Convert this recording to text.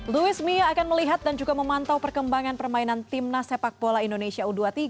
luis mia akan melihat dan juga memantau perkembangan permainan timnas sepak bola indonesia u dua puluh tiga